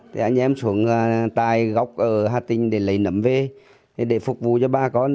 thì anh em xuống tài góc ở hà tĩnh để lấy nấm về để phục vụ cho bà con